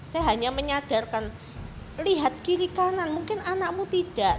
saya hanya menyadarkan lihat kiri kanan mungkin anakmu tidak